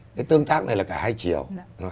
cái tương tác này là cả hai chiều